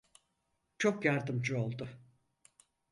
Çok yardımcı oldu.